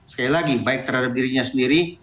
sekali lagi baik terhadap dirinya sendiri